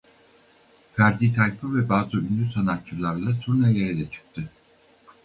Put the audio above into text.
Ferdi Tayfur ve bazı ünlü sanatçılarla turnelere de çıktı.